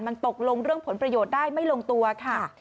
มันตกลงเรื่องผลประโยชน์ได้ไม่ลงตัวค่ะ